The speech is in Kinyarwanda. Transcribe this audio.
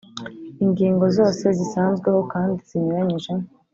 Ingingo zose zisanzweho kandi zinyuranyije